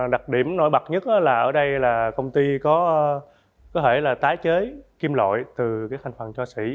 đặc điểm nổi bật nhất là ở đây là công ty có thể tái chế kim lội từ thành phần cho sĩ